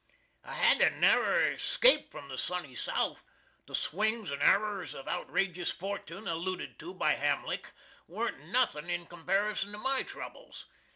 I had a narrer scape from the sonny South. "The swings and arrers of outrajus fortin," alluded to by Hamlick, warn't nothin in comparison to my trubles.